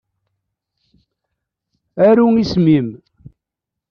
Aru isem-im.